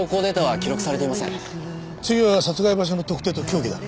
次は殺害場所の特定と凶器だ。